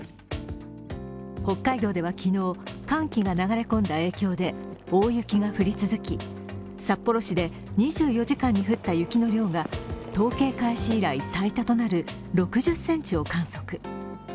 北海道では昨日、寒気が流れ込んだ影響が大雪が降り続き札幌市で２４時間に降った雪の量が統計開始以来最多となる６０ｃｍを観測。